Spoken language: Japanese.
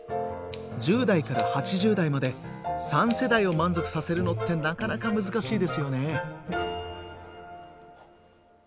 １０代から８０代まで３世代を満足させるのってなかなか難しいですよね。